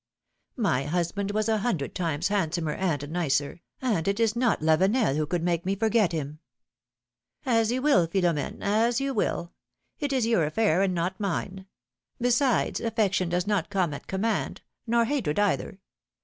My husband was a hundred times handsomer and nicer, and it is not Lavenel who could make me forget him." ^^As you will, Philomene, as you will. It is your affair and not mine ; besides affection does not come at com mand, nor hatred either.